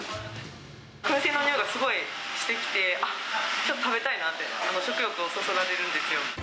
くん製の匂いが、すごいしてきて、あっ、食べたいなって、食欲をそそられるんですよ。